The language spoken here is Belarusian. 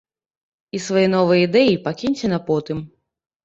І свае новыя ідэі пакіньце на потым.